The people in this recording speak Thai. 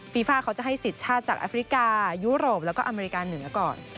ฟ่าเขาจะให้สิทธิ์ชาติจากแอฟริกายุโรปแล้วก็อเมริกาเหนือก่อน